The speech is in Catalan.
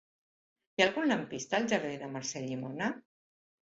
Hi ha algun lampista al jardí de Mercè Llimona?